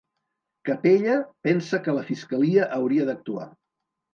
Capella pensa que la fiscalia hauria d'actuar